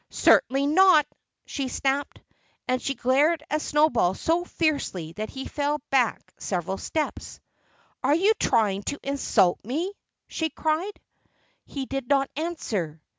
"Certainly not!" she snapped. And she glared at Snowball so fiercely that he fell back several steps. "Are you trying to insult me?" she cried. He did not answer.